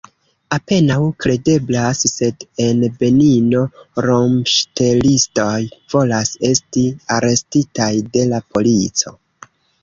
Apenaŭ kredeblas, sed en Benino rompŝtelistoj volas esti arestitaj de la polico.